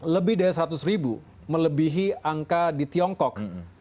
lebih dari seratus ribu melebihi angka di tiongkok